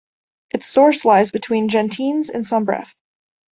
Its source lies between Gentinnes and Sombreffe.